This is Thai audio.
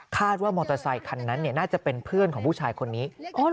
ว่ามอเตอร์ไซคันนั้นน่าจะเป็นเพื่อนของผู้ชายคนนี้